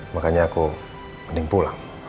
makanya aku mending pulang